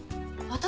私？